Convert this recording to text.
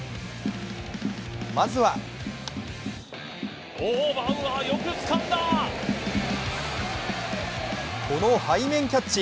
まずはこの背面キャッチ。